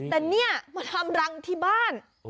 แต่เนี่ยมาทำรังที่บ้าน